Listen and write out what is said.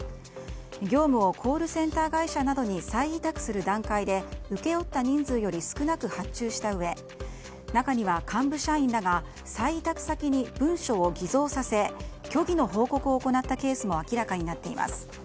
業務をコールセンター会社などに再委託する段階で請け負った人数より少なく発注したうえ中には幹部社員らが再委託先に文書を偽造させ虚偽の報告を行ったケースも明らかになっています。